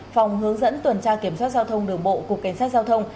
phòng hướng dẫn tuần tra kiểm soát giao thông đường bộ cục cảnh sát giao thông